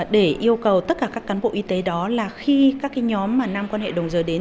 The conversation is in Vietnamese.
để yêu cầu tất cả các cán bộ y tế đó là khi các nhóm mà nam quan hệ đồng rời đến